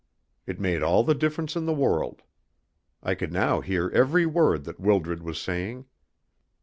It made all the difference in the world. I could now hear every word that Wildred was saying.